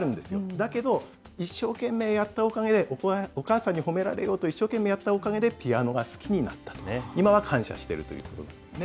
だけど、一生懸命やったおかげでお母さんに褒められようと一生懸命やったおかげで、ピアノが好きになった、今は感謝しているということなんですね。